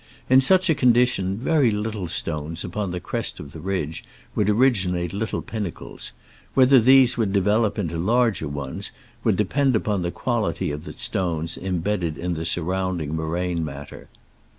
In such a condition very small stones upon the crest of the ridge would originate little pinnacles : whether these would develop into larger ones would depend upon the quantity of stones embedded in the surrounding moraine matter.